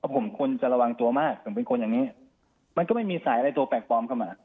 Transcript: ผมควรจะระวังตัวมากผมเป็นคนอย่างนี้มันก็ไม่มีสายอะไรตัวแปลกปลอมเข้ามา